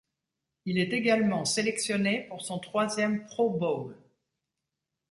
Il est également sélectionné pour son troisième Pro Bowl.